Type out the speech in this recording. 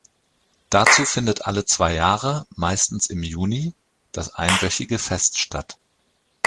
Dazu findet alle zwei Jahre, meistens im Juni, das einwöchige Fest statt.